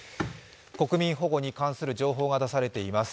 国民保護に関する情報が出されています。